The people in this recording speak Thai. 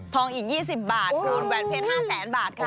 ทองอีก๒๐บาทบูนแหวนเพชร๕๐๐บาทค่ะ